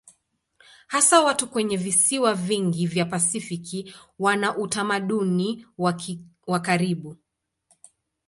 Hasa watu kwenye visiwa vingi vya Pasifiki wana utamaduni wa karibu.